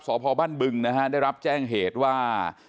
สอบพบ้านบึงได้รับแจ้งเหตุว่า